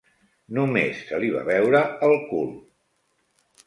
Només se li va veure el cul.